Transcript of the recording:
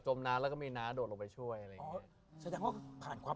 มน้ำแล้วก็มีน้าโดดลงไปช่วยอะไรอย่างเงี้ยแสดงว่าผ่านความ